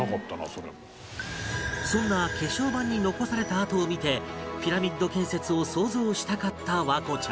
そんな化粧板に残された跡を見てピラミッド建設を想像したかった環子ちゃん